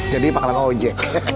jadi pangkalan ojek